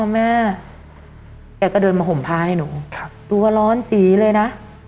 อ้อแม่แกก็เดินมาห่มพาให้หนูดูว่าร้อนจี๊เลยนะ